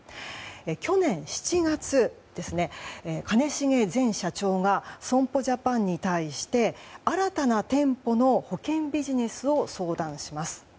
去年７月、兼重前社長が損保ジャパンに対して新たな店舗の保険ビジネスを相談します。